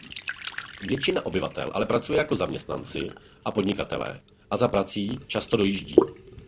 Většina obyvatel ale pracuje jako zaměstnanci a podnikatelé a za prací často dojíždějí.